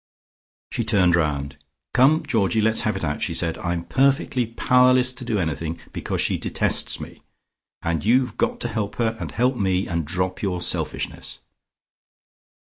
She turned round. "Come, Georgie, let's have it out," she said. "I'm perfectly powerless to do anything, because she detests me, and you've got to help her and help me, and drop your selfishness.